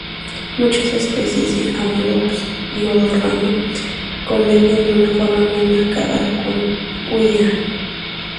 Muchas especies de "Amolops" y "Odorrana" convergen de una forma muy marcada con "Huia".